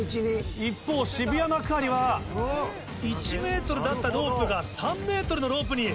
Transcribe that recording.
一方渋谷幕張は１ｍだったロープが３ｍのロープに。